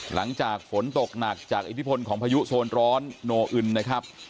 หลังจากฝนตกหนักจากอิทธิพลของพายุโซนร้อนโนอึนนะครับ